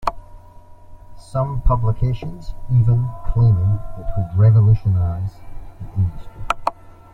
Some publications even claiming it would revolutionize the industry.